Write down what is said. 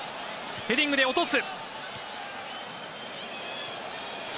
ヘディングで落とす。